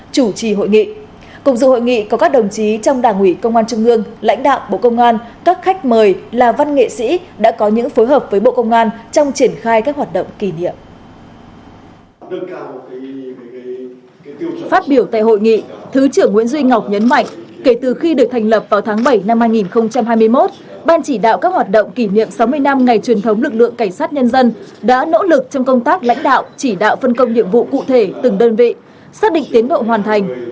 thứ trưởng nguyễn duy ngọc nhấn mạnh kể từ khi được thành lập vào tháng bảy năm hai nghìn hai mươi một ban chỉ đạo các hoạt động kỷ niệm sáu mươi năm ngày truyền thống lực lượng cảnh sát nhân dân đã nỗ lực trong công tác lãnh đạo chỉ đạo phân công nhiệm vụ cụ thể từng đơn vị xác định tiến độ hoàn thành